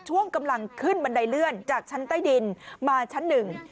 ช่วงกำลังขึ้นบันไดเลื่อนจากชั้นใต้ดินมาชั้นหนึ่ง